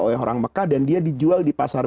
oleh orang mekah dan dia dijual di pasar